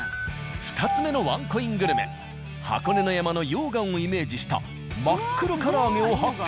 ２つ目のワンコイングルメ箱根の山の溶岩をイメージした真っ黒唐揚げを発見。